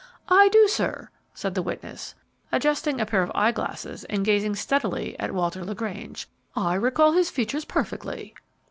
"I do, sir," said the witness, adjusting a pair of eyeglasses and gazing steadily at Walter LaGrange. "I recall his features perfectly."